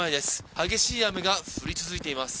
激しい雨が降り続いています。